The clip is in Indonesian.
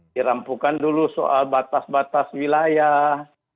dirampukan dulu soal batas batas wilayah